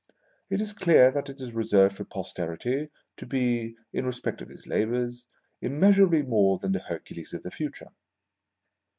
It is clear that it is reserved for Posterity to be, in respect of his labors, immeasurably more than the Hercules of the future.